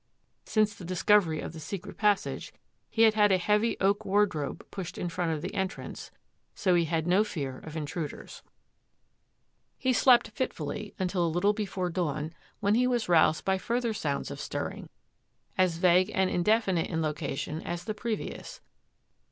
Since the discovery of the secret passage he had had a heavy oak wardrobe pushed in front of the entrance, so he had no fear of intruders. 20« THAT AFFAIR AT THE MANOR < He slept fitfully until a little before dawn when he was roused by further sounds of stirring — as vague and indefinite in location as the previous.